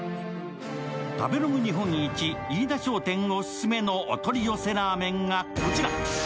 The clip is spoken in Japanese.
食べログ日本一、飯田商店オススメのお取り寄せラーメンがこちら。